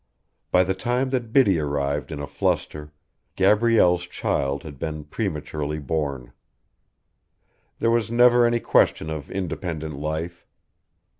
By the time that Biddy arrived in a fluster, Gabrielle's child had been prematurely born. There was never any question of independent life.